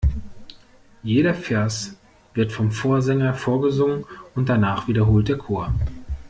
Jeder Vers wird vom Vorsänger vorgesungen und danach wiederholt der Chor.